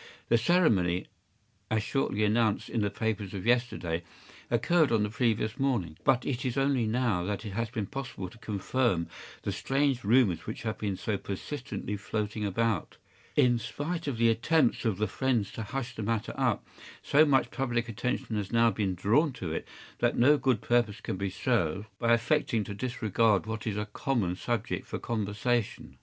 The ceremony, as shortly announced in the papers of yesterday, occurred on the previous morning; but it is only now that it has been possible to confirm the strange rumors which have been so persistently floating about. In spite of the attempts of the friends to hush the matter up, so much public attention has now been drawn to it that no good purpose can be served by affecting to disregard what is a common subject for conversation.